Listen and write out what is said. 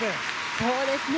そうですね。